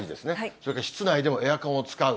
それから室内でもエアコンを使う。